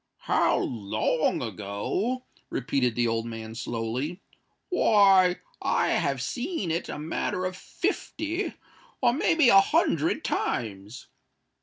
"How long ago?" repeated the old man, slowly: "why, I have seen it a matter of fifty—or, may be a hundred times.